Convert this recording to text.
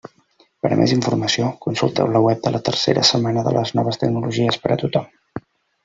Per a més informació, consulteu la web de la tercera setmana de les noves tecnologies per a tothom.